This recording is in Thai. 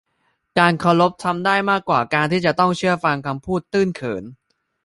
การเคารพทำได้มากกว่าการที่จะต้องเชื่อฟังคำพูดตื้นเขิน